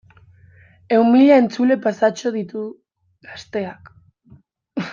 Ehun mila entzule pasatxo ditu Gazteak.